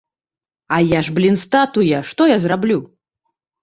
А я ж, блін, статуя, што я зраблю?